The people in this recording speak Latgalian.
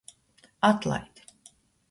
Atlaid!